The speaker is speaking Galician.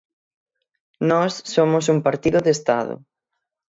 Nós somos un partido de Estado.